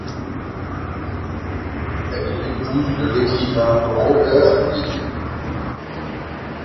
Elle est l'épouse de l'écrivain Robert Reid.